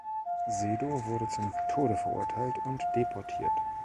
Sedow wurde zum Tode verurteilt und deportiert.